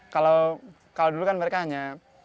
kalau dulu kan mereka hanya